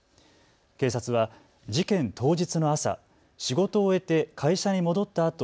警察は事件当日の朝、仕事を終えて会社に戻ったあと